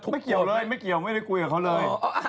ไม่เกี่ยวเลยไม่เกี่ยวไม่ได้คุยกับเขาเลย